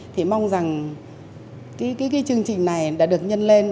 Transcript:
thì mong rằng cái chương trình này đã được nhân lên